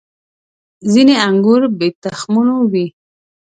• ځینې انګور بې تخمونو وي.